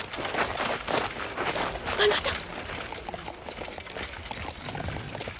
あなた！